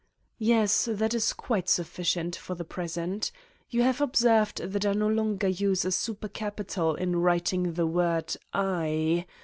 Yes, that is quite sufficient for the present. You have observed that I no longer use a super capital in writing the word "I"?